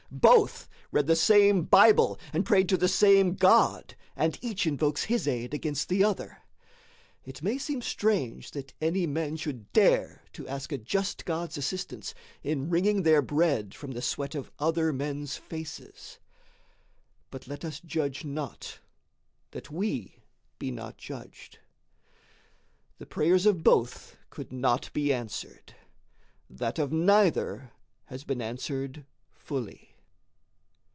Both read the same Bible, and pray to the same God; and each invokes his aid against the other. It may seem strange that any men should dare to ask a just God's assistance in wringing their bread from the sweat of other men's faces; but let us judge not, that we be not judged. The prayers of both could not be answered that of neither has been answered fully.